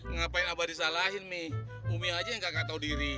ngapain abah disalahin mih umi aja yang gak kata diri